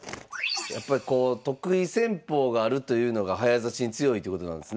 やっぱりこう得意戦法があるというのが早指しに強いってことなんですね。